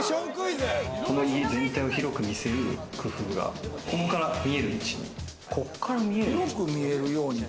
この家全体を広く見せる工夫が、ここから見える位置に。